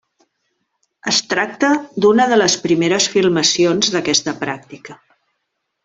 Es tracta d'una de les primeres filmacions d'aquesta pràctica.